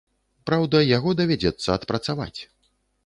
Праўда, яго давядзецца адпрацаваць.